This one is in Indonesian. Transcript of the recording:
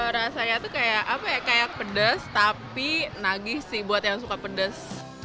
rasanya tuh kayak pedas tapi nagih sih buat yang suka pedas